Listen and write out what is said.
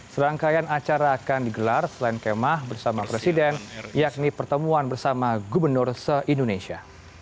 serangkaian acara akan digelar selain kemah bersama presiden yakni pertemuan bersama gubernur se indonesia